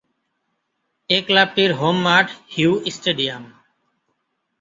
এই ক্লাবটির হোম মাঠ হিউ স্টেডিয়াম।